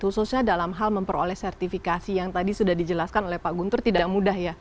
khususnya dalam hal memperoleh sertifikasi yang tadi sudah dijelaskan oleh pak guntur tidak mudah ya